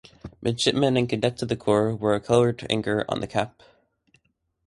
Midshipmen and cadets of the corps wore a colored anchor on the cap.